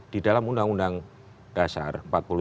di dalam undang undang dasar empat puluh lima